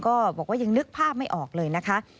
ก็บอกว่ายังนึกภาพไม่ออกเลยนะคะ